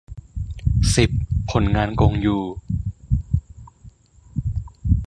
สิบ ผลงานกงยู